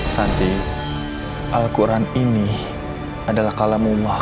santi al quran ini adalah kalamumah